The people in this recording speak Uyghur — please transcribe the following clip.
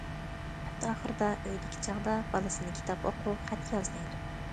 ھەپتە ئاخىرىدا ئۆيدىكى چاغدا بالىسىنى كىتاب ئوقۇ، خەت ياز، دەيدۇ.